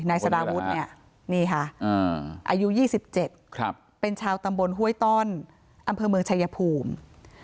นายสารวุฒิเนี่ยนี่ค่ะอายุ๒๗เป็นชาวตำบลห้วยต้อนอำเภอเมืองชายภูมิ